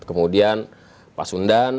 kemudian pak sundan